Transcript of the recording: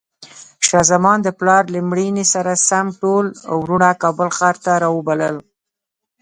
شاه زمان د پلار له مړینې سره سم ټول وروڼه کابل ښار ته راوبلل.